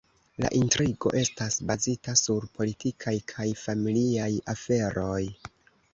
La intrigo estas bazita sur politikaj kaj familiaj aferoj.